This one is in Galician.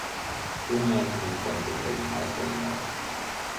Unha é coma un conto tradicional actualizado.